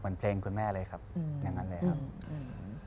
เหมือนเพลงคุณแม่เลยครับอย่างนั้นเลยครับ